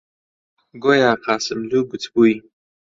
گۆیا قاسملوو گوتبووی: